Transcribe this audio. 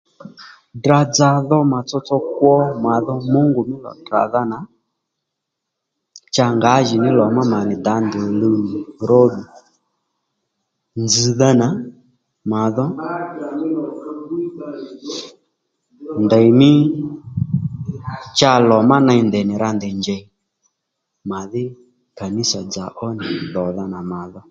Ddrà-dzà dho mà tsotso kwo màdho mungu mí lò tdràdha nà cha ngǎjìní lò má mà dǎ ndèy òluw nì róddù nzz̀dha nà màdho ndèymí cha lò má ney ndèy nì rǎ ndèy njèy màdhí kanisa dzà ó nì dhòdha nà màdho